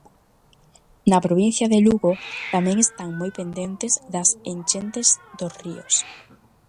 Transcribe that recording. Na provincia de Lugo tamén están moi pendentes das enchentes dos ríos.